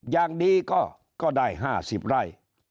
อย่างดีก็ได้๕๐ไร่